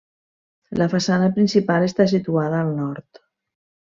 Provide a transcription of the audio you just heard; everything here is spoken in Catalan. La façana principal està situada al nord.